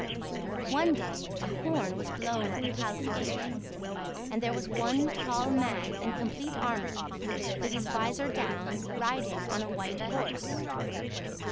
One day a horn was blown at the palace gate; and there was one tall man in complete armor with his visor down, riding on a white horse.